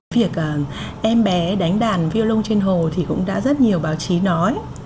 việc em bé đánh đàn viô lông trên hồ thì cũng đã rất nhiều báo chí nói